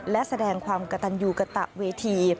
และแสดงความกระตันยูกระตะเวที